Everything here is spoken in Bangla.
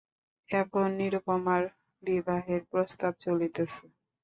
এখন নিরুপমার বিবাহের প্রস্তাব চলিতেছে।